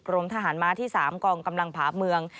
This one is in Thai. กรมทหารม้าที่๓กองกำลังผาเมือง